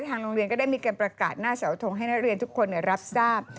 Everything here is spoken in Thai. ทางโรงเรียนก็ได้มีการประกาศหน้าเสาทงให้นักเรียนทุกคนรับทราบ